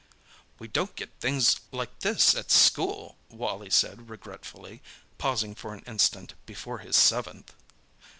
"We don't get things like this at school!" Wally said regretfully, pausing for an instant before his seventh.